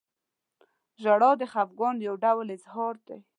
• ژړا د خفګان یو ډول اظهار دی.